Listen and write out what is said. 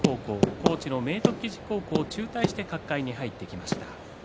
高知県の明徳義塾高校を中退して角界に入っていきました。